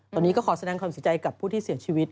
ตอนนี้ก็ขอแสดงความเสียใจกับผู้ที่เสียชีวิต